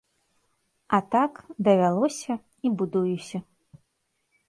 А так, давялося, і будуюся.